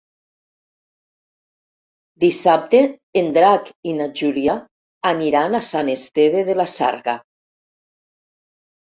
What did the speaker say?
Dissabte en Drac i na Júlia aniran a Sant Esteve de la Sarga.